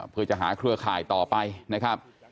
เพื่อจะหาเครือข่ายต่อไปนะครับ